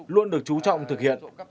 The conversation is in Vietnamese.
luôn được chú trọng thực hiện